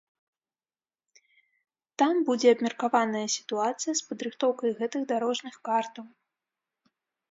Там будзе абмеркаваная сітуацыя з падрыхтоўкай гэтых дарожных картаў.